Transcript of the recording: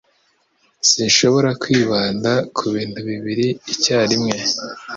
Sinshobora kwibanda kubintu bibiri icyarimwe